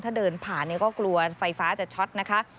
ถ้าเดินผ่านก็กลัวไฟฟ้าจะช็อตนะคะ